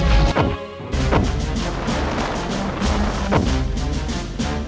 jangan letak crim dedicated